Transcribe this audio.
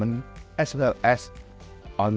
dan juga di sisi perusahaan